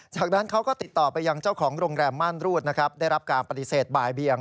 จากนั้นเขาก็ติดต่อไปยังเจ้าของโรงแรมม่านรูดนะครับได้รับการปฏิเสธบ่ายเบียง